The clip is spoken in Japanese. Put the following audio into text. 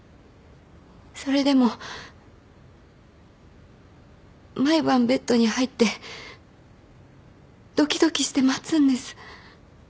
それでも毎晩ベッドに入ってドキドキして待つんです。